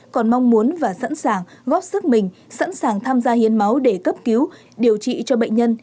còn mong muốn và sẵn sàng góp sức mình sẵn sàng tham gia hiến máu để cấp cứu điều trị cho bệnh nhân